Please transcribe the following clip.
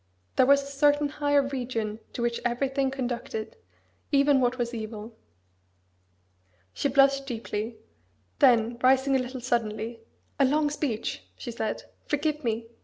There was a certain higher region to which everything conducted even what as evil." She blushed deeply: then rising a little suddenly, "A long speech!" she said: "Forgive me!